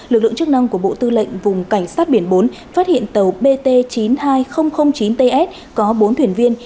lực lượng chức năng của bộ tư lệnh vùng cảnh sát biển bốn phát hiện tàu bt chín mươi hai nghìn chín ts có bốn thuyền viên